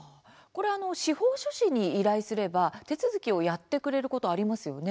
司法書士に依頼すれば手続きをやってくれることありますよね。